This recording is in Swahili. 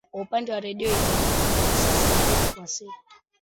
Kwa upande wa redio inatangaza kwa saa mbili kwa siku